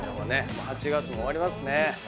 ８月も終わりますね。